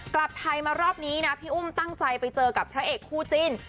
กลับไทยมารอบนี้นะพี่อุ้มตั้งใจไปเจอกับพระเอกคู่จิ้น